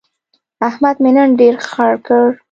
احمد مې نن ډېر خړ کړ.